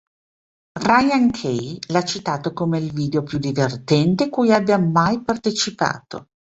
Ryan Key l'ha citato come il video più divertente cui abbia mai partecipato.